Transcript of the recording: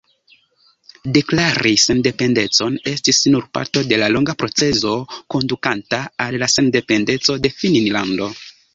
Deklari sendependecon estis nur parto de longa procezo kondukanta al la sendependeco de Finnlando.